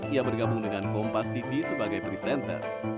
ia bergabung dengan kompas titi sebagai presenter